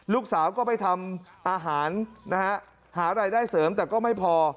ลูกสาวก็ไปทำอาหารนะฮะหารายได้เสริมแต่ก็ไม่พอ